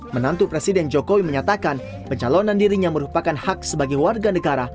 menantu presiden jokowi menyatakan pencalonan dirinya merupakan hak sebagai warga negara